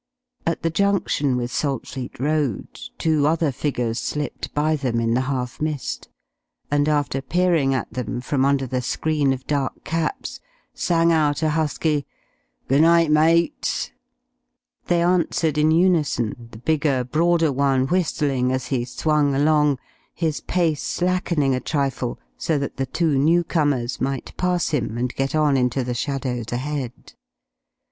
At the junction with Saltfleet Road, two other figures slipped by them in the half mist, and after peering at then from under the screen of dark caps, sang out a husky "Good night, mates." They answered in unison, the bigger, broader one whistling as he swung along, his pace slackening a trifle so that the two newcomers might pass him and get on into the shadows ahead.